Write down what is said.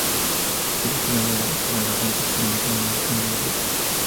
Si el exterior era extravagante, el interior no tiene nada que envidiar.